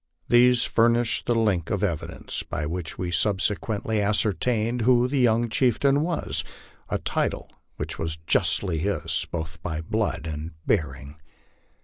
These furnished the link of evidence by which we subsequently ascertained who the young chieftain was a title which was justly his, both by blood and bearing.